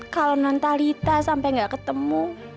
kalau nontalita sampai gak ketemu